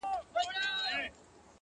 هم په اور هم په اوبو کي دي ساتمه-